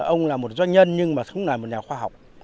ông là một doanh nhân nhưng mà không là một nhà khoa học